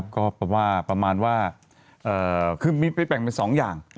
ก็ประมาณว่าคือมีแปลงเป็นสองอย่าง